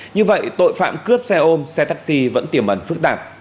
như vậy tội phạm cướp xe ôm xe taxi vẫn tiềm ẩn phức tạp